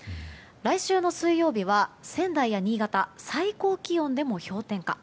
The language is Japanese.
来週の水曜日は、仙台や新潟最高気温でも氷点下。